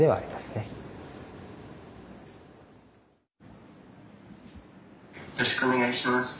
よろしくお願いします。